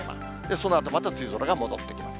そのあとまた梅雨空が戻ってきます。